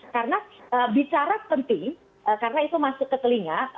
karena bicara penting karena itu masuk ke telinga